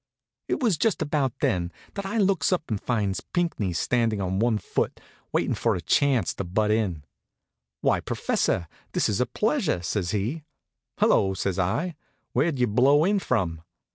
It was just about then that I looks up and finds Pinckney standing on one foot, waitin' for a chance to butt in. "Why, professor! This is a pleasure," says he. "Hello!" says I. "Where'd you blow in from?"